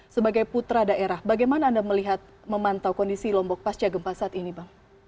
sebagai putra daerah bagaimana anda melihat memantau kondisi lombok pasca gempa saat ini bang